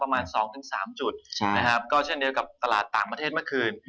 ประมาณ๒๓จุดนะครับก็เช่นเดียวกับตลาดต่างประเทศเมื่อคืน